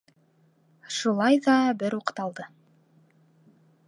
Шулай ҙа бер уҡталды: